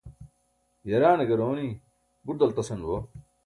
yaraane garooni buṭ dalṭasan bo